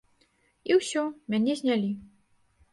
І ўсё, мяне знялі.